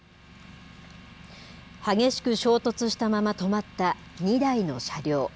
激しく衝突したまま止まった２台の車両。